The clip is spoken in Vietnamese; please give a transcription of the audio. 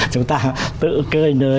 chúng ta tự cười nới